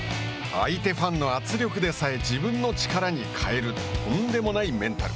相手ファンの圧力でさえ自分の力に変えるとんでもないメンタル。